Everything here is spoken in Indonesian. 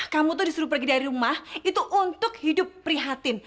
kamu tuh disuruh pergi dari rumah itu untuk hidup prihatin